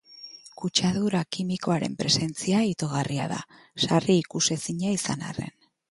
Kutsadura kimikoaren presentzia itogarria da, sarri ikusezina izan arren.